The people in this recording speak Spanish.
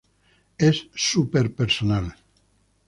Es súper personal".